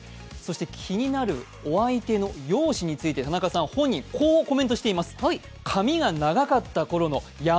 気になるお相手の容姿について田中さんはこうコメントしています。